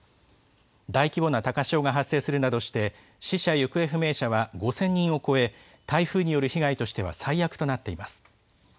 大規模な高潮が発生するなどして、死者・行方不明者は５０００人を超え、台風による被害としては最悪となっています。